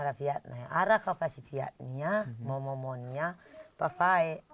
ada yang masih biasa yang mau mau apa apa